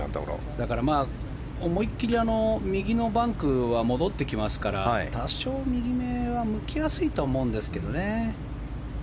だから、思いっきり右のバンクは戻ってきますから多少右めは、向きやすいとは思うんですけどね。